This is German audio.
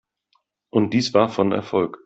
Und dies war von Erfolg.